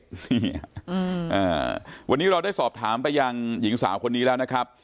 นี่วันนี้เราได้สอบถามไปยังหญิงสาวคนนี้แล้วนะครับ